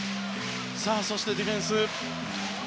そして、ディフェンス。